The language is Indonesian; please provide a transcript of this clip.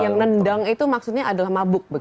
yang nendang itu maksudnya adalah mabuk